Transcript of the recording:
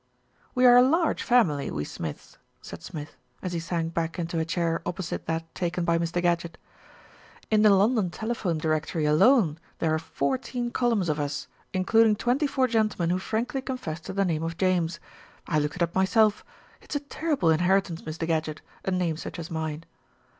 "We are a large family, we Smiths," said Smith, as he sank back into a chair opposite that taken by Mr. Gadgett. "In the London Telephone Directory alone there are fourteen columns of us, including twenty four gentlemen who frankly confess to the name of James. I looked it up myself. It's a terrible in heritance, Mr. Gadgett, a name such as mine."